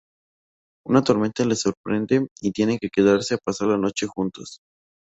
Una tormenta les sorprende y tienen que quedarse a pasar la noche juntos.